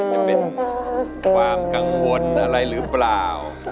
จะเป็นความกังวลอะไรหรือเปล่า